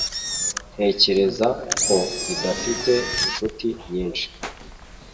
Ntekereza ko idafite inshuti nyinshi